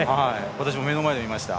私も目の前で見ました。